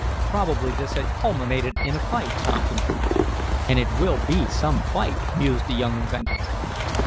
Probably this had culminated in a fight, Tom concluded. "And it will be some fight!" mused the young inventor.